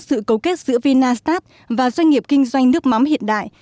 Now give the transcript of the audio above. trong sự cấu kết giữa vinastat và doanh nghiệp kinh doanh nước mắm hiện đại